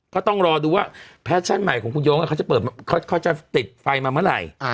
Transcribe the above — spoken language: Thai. เขาต้องรอดูว่าแพชชั่นใหม่ของย้งจะติดไฟมาเมื่อไหร่